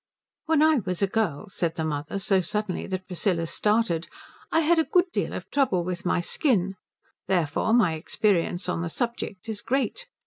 "When I was a girl," said the mother, so suddenly that Priscilla started, "I had a good deal of trouble with my skin. Therefore my experience on the subject is great.